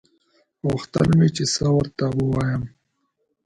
غوښتل مې چې څه ورته ووايم.